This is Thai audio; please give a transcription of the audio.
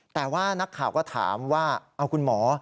แต่ว่านักข่าวก็ถามว่าเอาคุณหมอ